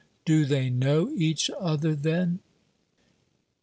"Do they know each other, then?"